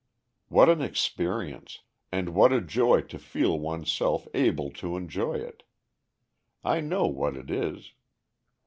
What an experience, and what a joy to feel one's self able to enjoy it! I know what it is.